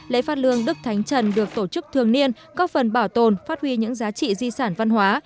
lễ phát lương đức thánh trần được tổ chức thường niên có phần bảo tồn phát huy những giá trị di sản văn hóa